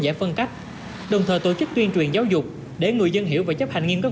giải phân cách đồng thời tổ chức tuyên truyền giáo dục để người dân hiểu và chấp hành nghiêm cấp